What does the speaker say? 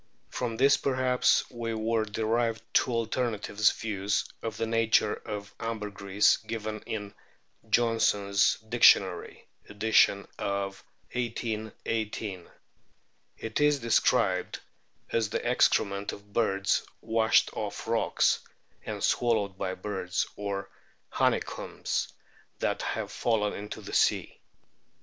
From this perhaps were derived two alternative views of the nature of ambergris given in Johnsons Dictionary (edition of 1818). It is described as the excrement of birds washed off rocks and swallowed by birds, or honeycombs that have fallen into the sea.